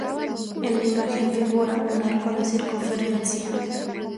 En la imagen figura un arco de circunferencia.